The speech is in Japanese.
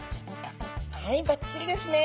はいバッチリですね！